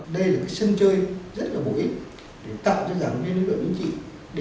đây là cái sân chơi rất là bổ ích để tạo cho giảng viên đối với đối với chính trị